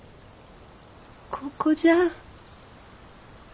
ここじゃん。